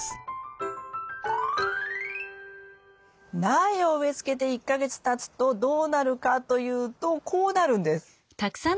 苗を植え付けて１か月たつとどうなるかというとこうなるんです。